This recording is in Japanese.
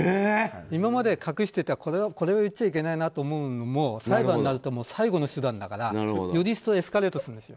今まで隠してたこれは言っちゃいけないなと思うものも裁判になると最後の手段ですからより一層エスカレートするんです。